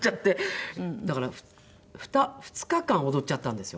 だから２日間踊っちゃったんですよ。